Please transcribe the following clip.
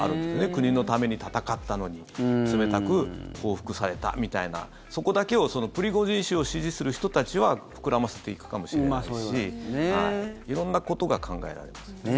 国のために戦ったのに冷たく報復されたみたいなそこだけをプリゴジン氏を支持する人たちは膨らませていくかもしれないですし色んなことが考えられます。